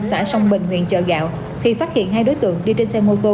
xã sông bình huyện chợ gạo thì phát hiện hai đối tượng đi trên xe mô tô